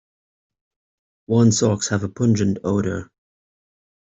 Worn socks have a pungent odour.